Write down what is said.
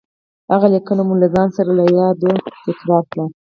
هغه ليکنه مو له ځان سره له يادو تکرار کړئ.